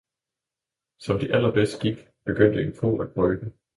Som de allerbedst gik, begyndte en ko at brøle.